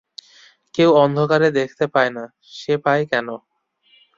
কেউ অন্ধকারে দেখতে পায় না, সে পায় কেন?